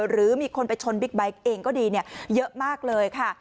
หรือมีคนไปชนบิ๊กไบท์เองก็ดีเยอะมากเลยค่ะ